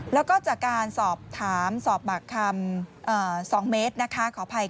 แล้วก็จากการสอบถามสอบปากคำ๒เมตรนะคะขออภัย